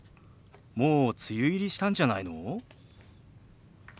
もう梅雨入りしたんじゃないの？